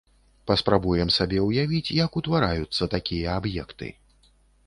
Паспрабуем сабе ўявіць, як утвараюцца такія аб'екты.